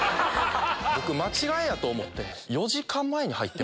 僕間違えやと思って。